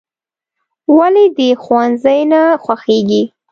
"ولې دې ښوونځی نه خوښېږي؟"